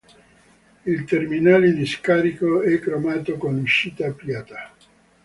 Il terminale di scarico è cromato con uscita piatta.